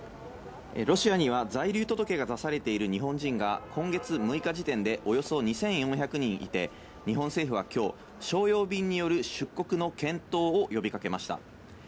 ロシアには、在留届が出されている日本人が、今月６日時点でおよそ２４００人いて、日本政府はきょう、商用便による出国の検討を呼びかけました。